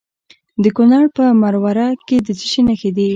د کونړ په مروره کې د څه شي نښې دي؟